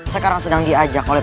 sekarang sedang diajak oleh